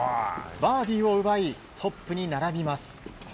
バーディーを奪いトップに並びます。